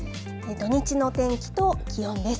土日の天気と気温です。